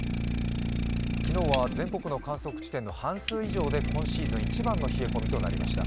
昨日は全国の観測地点の半数以上で今シーズン一番の冷え込みとなりました。